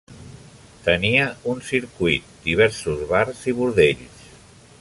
Tenia un circuit, diversos bars i bordells.